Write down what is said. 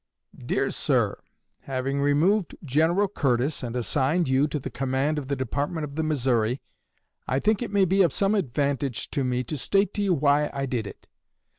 DEAR SIR: Having removed General Curtis and assigned you to the command of the Department of the Missouri, I think it may be of some advantage to me to state to you why I did it.